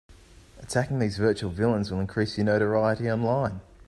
Attacking these virtual villains will increase your notoriety online.